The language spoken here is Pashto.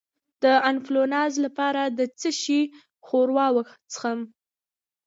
د انفلونزا لپاره د څه شي ښوروا وڅښم؟